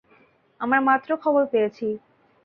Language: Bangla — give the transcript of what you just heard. আমরা মাত্র খবর পেয়েছি।